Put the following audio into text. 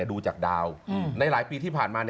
ดูจากดาวในหลายปีที่ผ่านมา